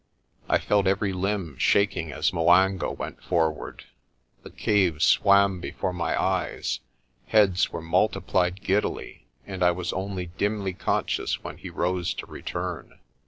I felt every limb shaking as 'Mwanga went forward. The cave swam before my eyes, heads were multiplied giddily and I was only dimly conscious when he rose to return.